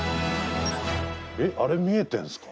えあれ見えてんすか？